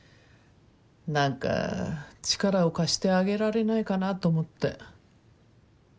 何か力を貸してあげられないかなと思って。